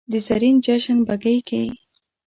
د زرین جشن بګۍ کې